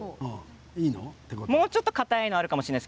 もうちょっとかたいものがあるかもしれません。